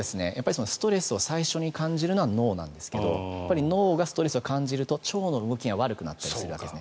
ストレスを最初に感じるのは脳なんですが脳がストレスを感じると腸の動きが悪くなったりするわけです。